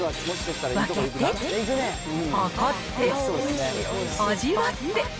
分けて、計って、味わって。